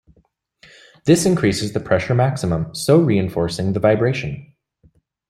This increases the pressure maximum, so reinforcing the vibration.